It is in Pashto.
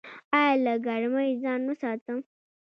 ایا له ګرمۍ ځان وساتم؟